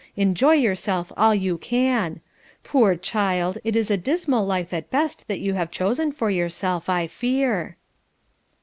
Enjoy yourself all you can. Poor child! it is a dismal life at best that you have chosen for yourself, I fear."